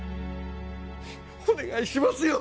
お願いしますよ！